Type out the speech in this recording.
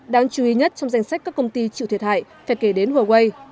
đáng chú ý nhất trong danh sách các công ty chịu thiệt hại phải kể đến huawei